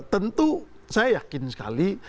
tentu saya yakin sekali